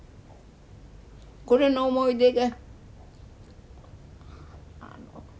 これの思い出が。